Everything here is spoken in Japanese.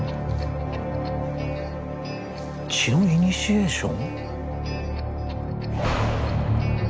「血のイニシエーション」？